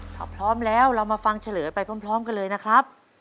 ถ้าพร้อมแล้วเรามาฟังเฉลยไปพร้อมกันเลยนะครับ